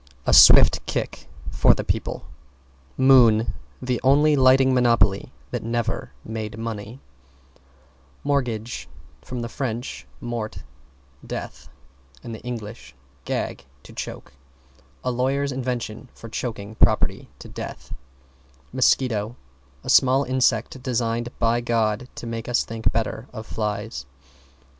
A swift kick for the people. =MOON= The only lighting monopoly that never made money. =MORTGAGE= From Fr. mort, death, and Eng. gag, to choke. A lawyer's invention for choking property to death. =MOSQUITO= A small insect designed by God to make us think better of flies.